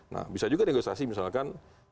nah bisa juga negosiasi misalkan